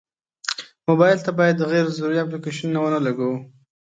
موبایل ته باید غیر ضروري اپلیکیشنونه ونه لګوو.